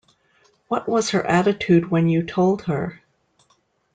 What was her attitude when you told her?